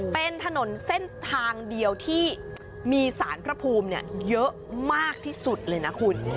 เป็นถนนเส้นทางเดียวที่มีสารพระภูมิเยอะมากที่สุดเลยนะคุณ